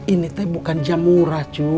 ini teh bukan jam murah cu